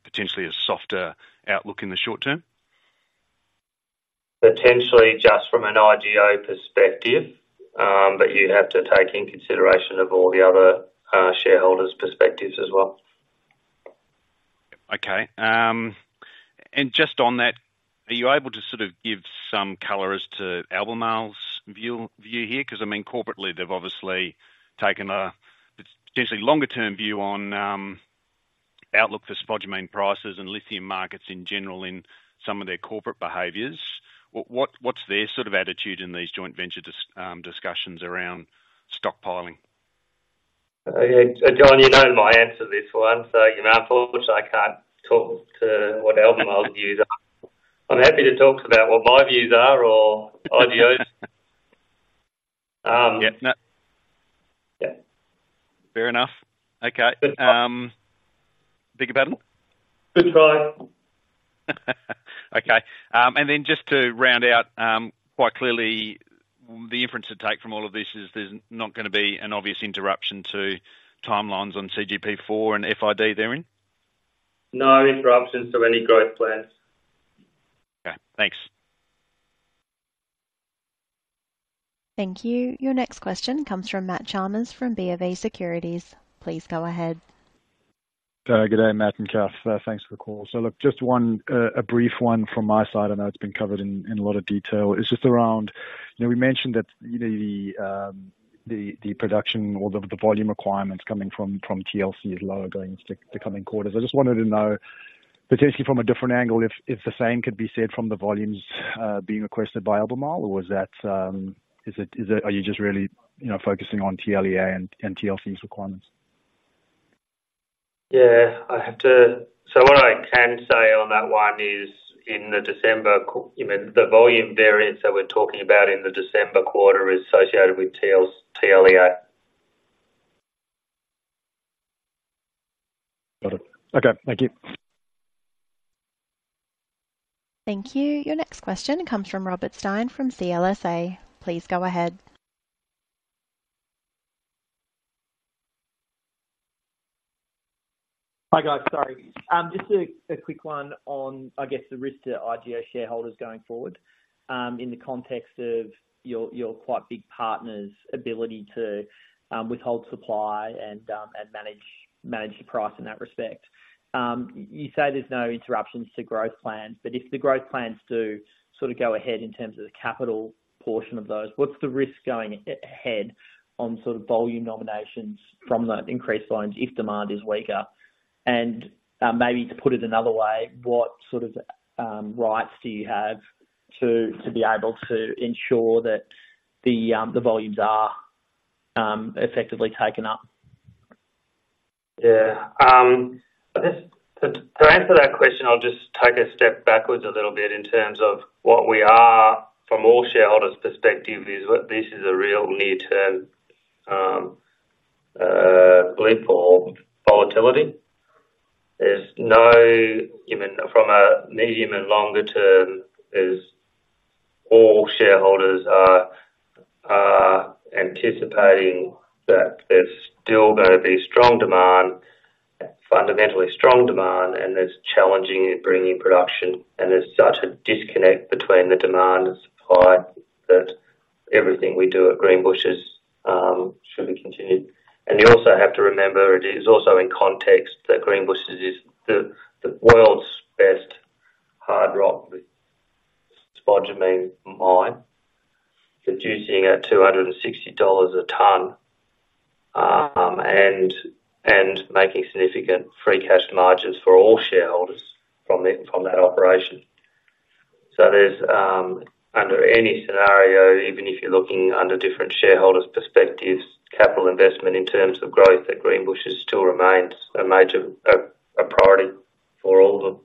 potentially a softer outlook in the short term? Potentially just from an IGO perspective, but you have to take in consideration of all the other shareholders' perspectives as well. Okay. And just on that, are you able to sort of give some color as to Albemarle's view, view here? Because, I mean, corporately, they've obviously taken a potentially longer-term view on outlook for spodumene prices and lithium markets in general in some of their corporate behaviors. What, what, what's their sort of attitude in these joint venture discussions around stockpiling? Yeah, so John, you know my answer to this one, so, you know, unfortunately, I can't talk to what Albemarle's views are. I'm happy to talk about what my views are or IGO's. Yeah, no. Yeah. Fair enough. Okay. Beg your pardon? Good try. Okay, and then just to round out, quite clearly, the inference to take from all of this is there's not gonna be an obvious interruption to timelines on CGP4 and FID therein? No interruptions to any growth plans. Okay, thanks. Thank you. Your next question comes from Matt Chalmers from BofA Securities. Please go ahead. Good day, Matt and Kath. Thanks for the call. So look, just one, a brief one from my side. I know it's been covered in, in a lot of detail. It's just around... You know, we mentioned that, you know, the, the production or the, the volume requirements coming from, from TLC is lower going into the, the coming quarters. I just wanted to know, potentially from a different angle, if, if the same could be said from the volumes, being requested by Albemarle, or was that... Is it, is it - are you just really, you know, focusing on TLEA and, and TLC's requirements? Yeah, I have to. So what I can say on that one is, in the December quarter, you know, the volume variance that we're talking about in the December quarter is associated with TLEA. Got it. Okay, thank you. Thank you. Your next question comes from Robert Stein from CLSA. Please go ahead. Hi, guys, sorry. Just a quick one on, I guess, the risk to IGO shareholders going forward, in the context of your quite big partner's ability to withhold supply and manage the price in that respect. You say there's no interruptions to growth plans, but if the growth plans do sort of go ahead in terms of the capital portion of those, what's the risk going ahead on sort of volume nominations from those increased volumes if demand is weaker? And maybe to put it another way, what sort of rights do you have to be able to ensure that the volumes are effectively taken up? Yeah. I guess to answer that question, I'll just take a step backwards a little bit in terms of what we are from all shareholders' perspective, is that this is a real near-term blip or volatility. There's no... Even from a medium and longer term, is all shareholders are anticipating that there's still gonna be strong demand, fundamentally strong demand, and there's challenging in bringing production, and there's such a disconnect between the demand and supply, that everything we do at Greenbushes should be continued. And you also have to remember, it is also in context, that Greenbushes is the world's best hard rock spodumene mine, producing at $260 a ton, and making significant free cash margins for all shareholders from that operation. There's under any scenario, even if you're looking under different shareholders' perspectives, capital investment in terms of growth at Greenbushes still remains a major priority for all of them.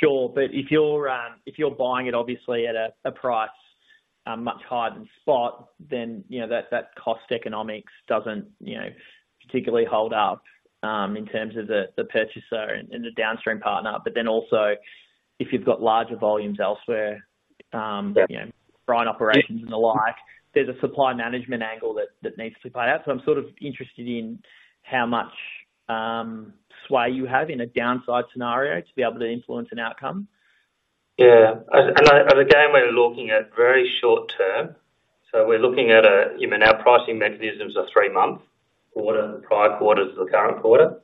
Sure, but if you're buying it obviously at a price much higher than spot, then, you know, that cost economics doesn't, you know, particularly hold up in terms of the purchaser and the downstream partner. But then also, if you've got larger volumes elsewhere, Yep. You know, growing operations and the like, there's a supply management angle that needs to play out. So I'm sort of interested in how much sway you have in a downside scenario to be able to influence an outcome. Yeah. And again, we're looking at very short term. So we're looking at, you know, our pricing mechanisms are three-month, quarter, the prior quarter to the current quarter.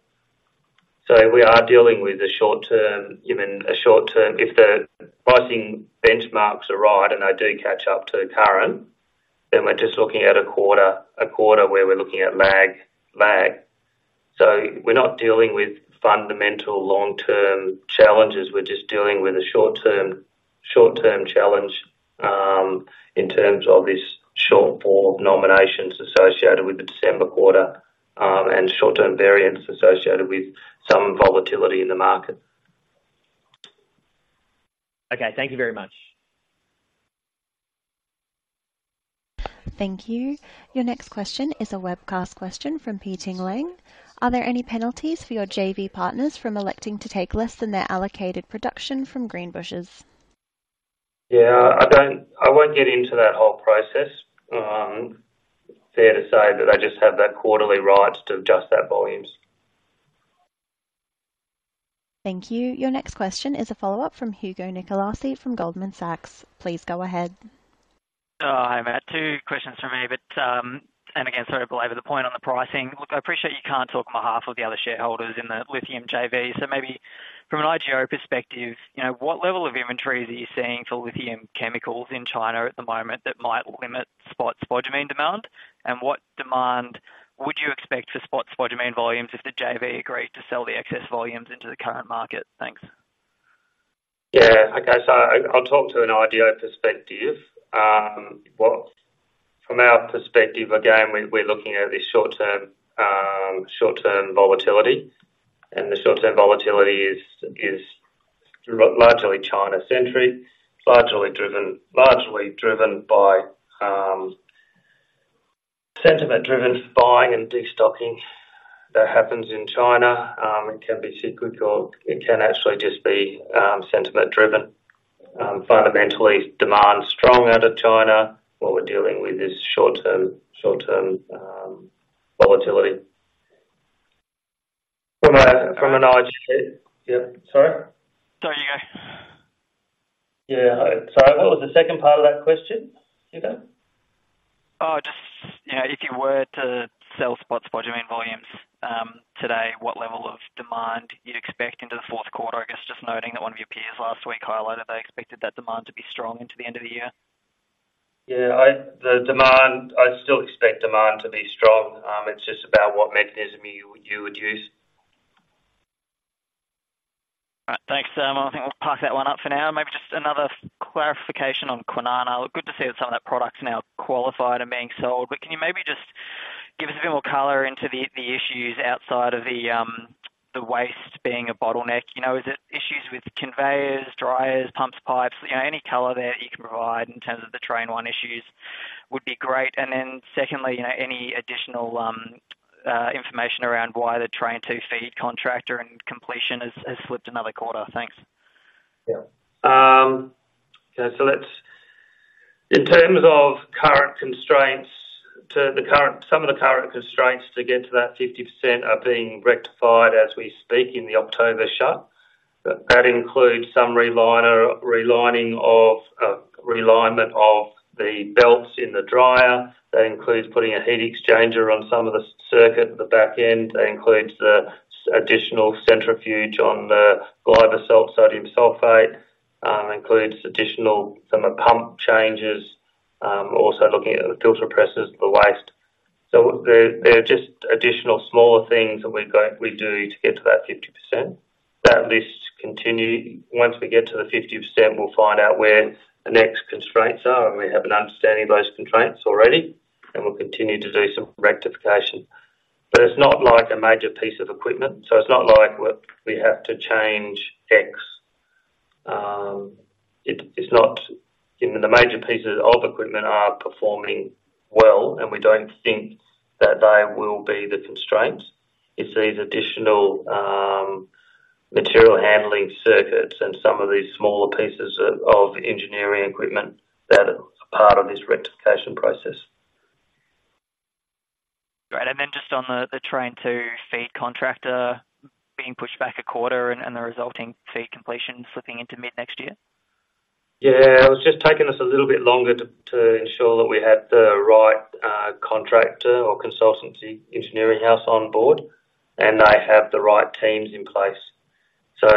So we are dealing with a short term, you know, a short term. If the pricing benchmarks are right, and they do catch up to current... Then we're just looking at a quarter, a quarter where we're looking at lag. So we're not dealing with fundamental long-term challenges, we're just dealing with a short-term, short-term challenge in terms of this shortfall of nominations associated with the December quarter, and short-term variance associated with some volatility in the market. Okay. Thank you very much. Thank you. Your next question is a webcast question from Pete Tingling. Are there any penalties for your JV partners from electing to take less than their allocated production from Greenbushes? Yeah, I don't-- I won't get into that whole process. Fair to say that they just have that quarterly right to adjust their volumes. Thank you. Your next question is a follow-up from Hugo Nicolaci from Goldman Sachs. Please go ahead. Hi, Matt. Two questions from me, but, and again, sort of belabor the point on the pricing. Look, I appreciate you can't talk on behalf of the other shareholders in the lithium JV, so maybe from an IGO perspective, you know, what level of inventory are you seeing for lithium chemicals in China at the moment that might limit spot spodumene demand? And what demand would you expect for spot spodumene volumes if the JV agreed to sell the excess volumes into the current market? Thanks. Yeah. Okay, so I, I'll talk to an IGO perspective. Well, from our perspective, again, we, we're looking at the short term, short-term volatility, and the short-term volatility is largely China-centric, largely driven, largely driven by, sentiment-driven buying and de-stocking that happens in China. It can be cyclical, it can actually just be, sentiment driven. Fundamentally, demand is strong out of China. What we're dealing with is short-term, short-term, volatility. From an IGO- Yeah. Sorry? Sorry, Hugo. Yeah. Sorry, what was the second part of that question, Hugo? Oh, just, you know, if you were to sell spot spodumene volumes, today, what level of demand you'd expect into the Q4? I guess just noting that one of your peers last week highlighted they expected that demand to be strong into the end of the year. Yeah, I... The demand, I still expect demand to be strong. It's just about what mechanism you, you would use. All right. Thanks, Sam. I think we'll park that one up for now. Maybe just another clarification on Kwinana. Good to see that some of that product's now qualified and being sold. But can you maybe just give us a bit more color into the issues outside of the waste being a bottleneck? You know, is it issues with conveyors, dryers, pumps, pipes? You know, any color there that you can provide in terms of the train one issues would be great. And then secondly, you know, any additional information around why the train two feed contractor and completion has slipped another quarter? Thanks. Yeah. Okay, so let's. In terms of current constraints, some of the current constraints to get to that 50% are being rectified as we speak in the October shut. But that includes some relining of, realignment of the belts in the dryer. That includes putting a heat exchanger on some of the circuit at the back end. That includes the additional centrifuge on the Glauber's salt, sodium sulphate. Includes additional, some pump changes. We're also looking at the filter presses for the waste. So there are just additional smaller things that we've got, we do to get to that 50%. That list continue. Once we get to the 50%, we'll find out where the next constraints are, and we have an understanding of those constraints already, and we'll continue to do some rectification. But it's not like a major piece of equipment, so it's not like we have to change X. It's not... You know, the major pieces of equipment are performing well, and we don't think that they will be the constraints. It's these additional, material handling circuits and some of these smaller pieces of engineering equipment that are a part of this rectification process. Great. And then just on the train two feed contractor being pushed back a quarter and the resulting feed completion slipping into mid-next year? Yeah, it's just taking us a little bit longer to ensure that we have the right contractor or consultancy engineering house on board, and they have the right teams in place. So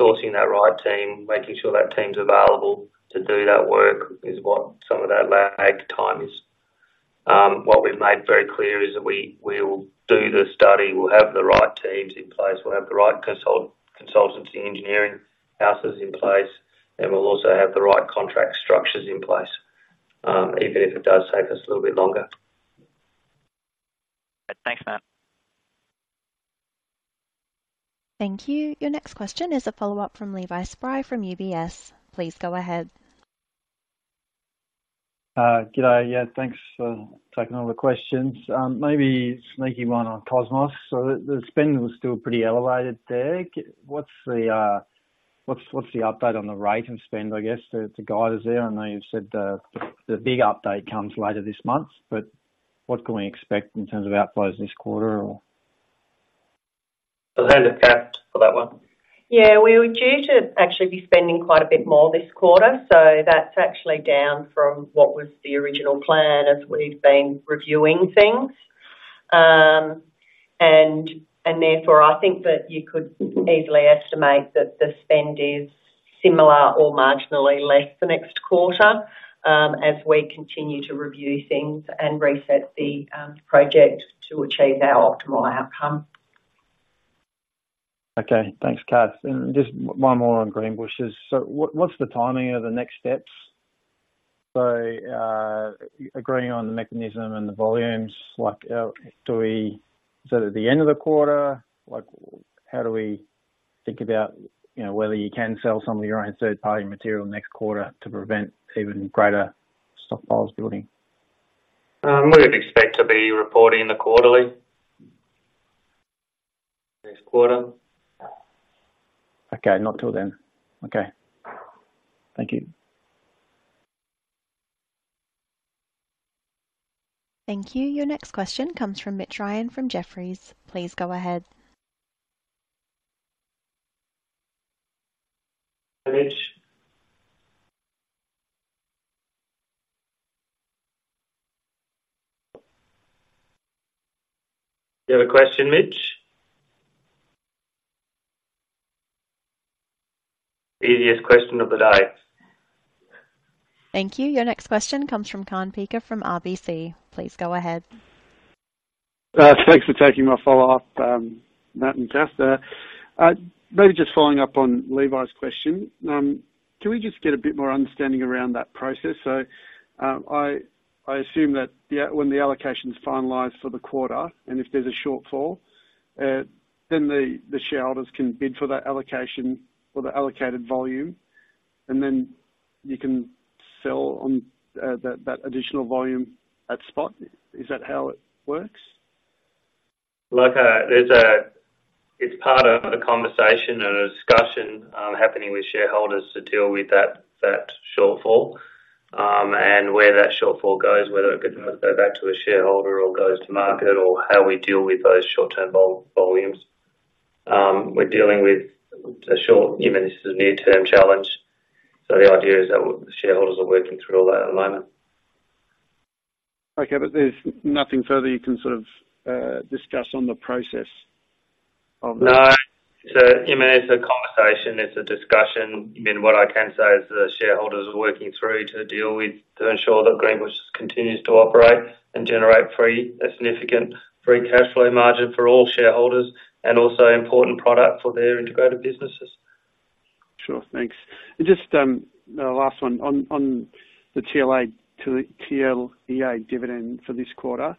sourcing that right team, making sure that team's available to do that work is what some of that lag time is. What we've made very clear is that we will do the study, we'll have the right teams in place, we'll have the right consultancy engineering houses in place, and we'll also have the right contract structures in place, even if it does take us a little bit longer. Thanks, Matt. Thank you. Your next question is a follow-up from Levi Spry from UBS. Please go ahead. Good day. Yeah, thanks for taking all the questions. Maybe a sneaky one on Cosmos. So the spending was still pretty elevated there. What's the update on the rate and spend, I guess, the guidance there? I know you've said the big update comes later this month, but what can we expect in terms of outflows this quarter, or? I'll hand to Kat for that one. Yeah, we were due to actually be spending quite a bit more this quarter, so that's actually down from what was the original plan as we've been reviewing things. Therefore, I think that you could easily estimate that the spend is similar or marginally less the next quarter, as we continue to review things and reset the project to achieve our optimal outcome. Okay. Thanks, Cass. And just one more on Greenbushes. So what, what's the timing of the next steps? So, agreeing on the mechanism and the volumes, like, do we-- So at the end of the quarter, like, how do we think about, you know, whether you can sell some of your own third-party material next quarter to prevent even greater stockpiles building? We'd expect to be reporting the quarterly, next quarter. Okay, not till then. Okay. Thank you. Thank you. Your next question comes from Mitch Ryan, from Jefferies. Please go ahead. Mitch? Do you have a question, Mitch? Easiest question of the day. Thank you. Your next question comes from Kaan Peker from RBC. Please go ahead. Thanks for taking my follow-up, Matt and Cass there. Maybe just following up on Levi's question. Can we just get a bit more understanding around that process? So, I assume that when the allocation is finalized for the quarter, and if there's a shortfall, then the shareholders can bid for that allocation or the allocated volume, and then you can sell on that additional volume at spot. Is that how it works? Look, there's a-- It's part of a conversation and a discussion happening with shareholders to deal with that, that shortfall. And where that shortfall goes, whether it goes, go back to a shareholder or goes to market or how we deal with those short-term volumes. We're dealing with a short, you know, this is a near-term challenge, so the idea is that the shareholders are working through all that at the moment. Okay, but there's nothing further you can sort of discuss on the process of that? No. So, you mean, it's a conversation, it's a discussion. I mean, what I can say is the shareholders are working through to deal with, to ensure that Greenbushes continues to operate and generate free, a significant free cash flow margin for all shareholders, and also important product for their integrated businesses. Sure. Thanks. And just the last one. On the TLEA dividend for this quarter,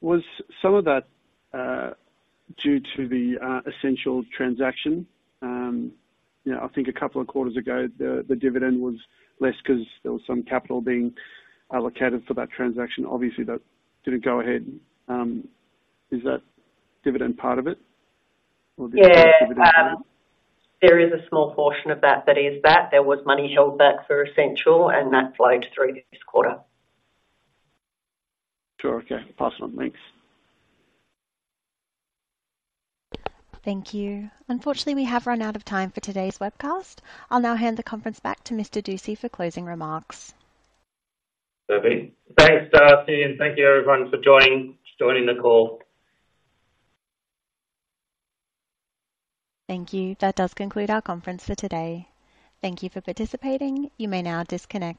was some of that due to the Essential transaction? You know, I think a couple of quarters ago, the dividend was less 'cause there was some capital being allocated for that transaction. Obviously, that didn't go ahead. Is that dividend part of it or- Yeah. Dividend? There is a small portion of that, that is that. There was money held back for essential, and that flowed through this quarter. Sure. Okay, pass on. Thanks. Thank you. Unfortunately, we have run out of time for today's webcast. I'll now hand the conference back to Mr. Dusci for closing remarks. Okay. Thanks, and thank you everyone for joining the call. Thank you. That does conclude our conference for today. Thank you for participating. You may now disconnect.